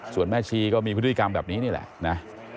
ส่วนแม่ชีก็มีพฤติกรรมแบบนี้นี่แหละนะ